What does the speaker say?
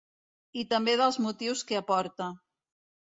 I també dels motius que aporta.